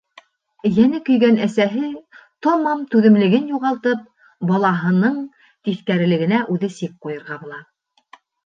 Йәне көйгән әсәһе, тамам түҙемлеген юғалтып, балаһынын тиҫкәрелегенә үҙе сик ҡуйырға була.